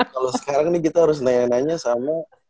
kalau sekarang nih kita harus nanya nanya sama